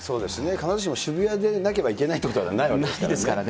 必ずしも渋谷でなければいけないとかはないわけですからね。